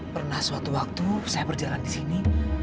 pernah suatu waktu saya berjalan di sini